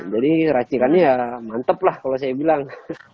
jadi racikannya ya mantep lah kalau saya bilang